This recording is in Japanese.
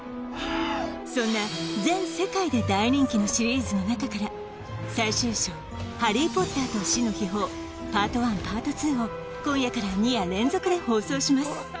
そんな全世界で大人気のシリーズの中から最終章「ハリー・ポッターと死の秘宝ＰＡＲＴ１」「ＰＡＲＴ２」を今夜から２夜連続で放送します